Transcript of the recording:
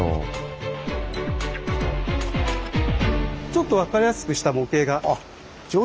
ちょっと分かりやすくした模型が。